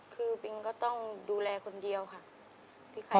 คือปิงก็ต้องดูแลคนเดียวค่ะ